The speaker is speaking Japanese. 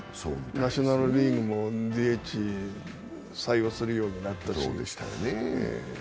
ナショナル・リーグもＤＨを採用するようになったしね。